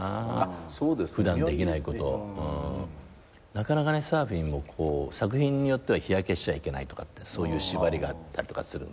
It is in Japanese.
なかなかサーフィンも作品によっては日焼けしちゃいけないとかってそういう縛りがあったりとかするんで。